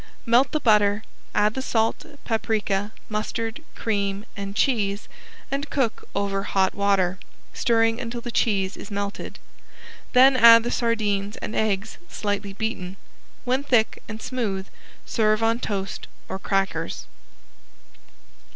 Melt the butter, add the salt, paprika, mustard, cream and cheese and cook over hot water, stirring until the cheese is melted. Then add the sardines and eggs slightly beaten. When thick and smooth serve on toast or crackers.